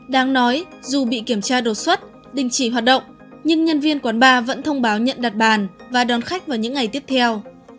đáng nói dù bị kiểm tra đột xuất đình chỉ hoạt động nhưng nhân viên quán bar vẫn thông báo nhận đặt bàn và đón khách vào những ngày tiếp theo